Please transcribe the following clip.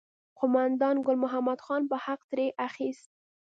قوماندان ګل محمد خان به حق ترې اخیست.